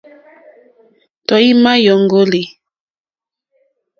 Tɔ̀ímá !yóŋɡólì.